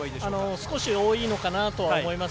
少し多いかなと思います。